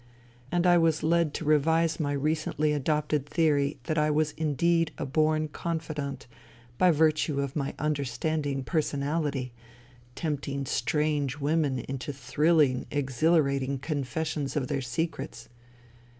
And I was led to revise my recently adopted theory that I was indeed a born confidant by virtue of my understanding personality, tempting strange women into thrilling, exhilarating confessions of their secrets.